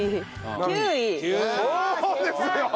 そうですよ！